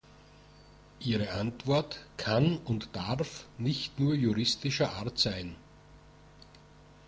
Ihre Antwort kann und darf nicht nur juristischer Art sein.